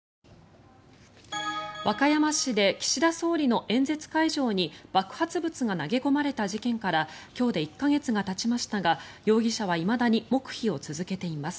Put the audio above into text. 和歌山市で岸田総理の演説会場に爆発物が投げ込まれた事件から今日で１か月がたちましたが容疑者はいまだに黙秘を続けています。